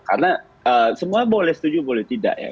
karena semua boleh setuju boleh tidak ya